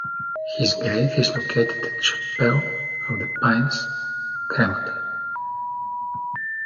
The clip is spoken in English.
His grave is located at Chapel of the Pines Crematory.